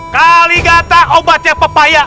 kaligata obatnya pepaya